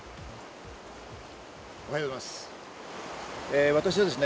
おはようございます。